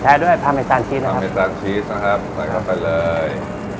ใช่ครับแล้วก็ต่อพรุงรสด้วยเกลือพริกไทย